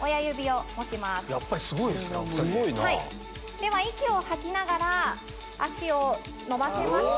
では息を吐きながら足を伸ばせますか？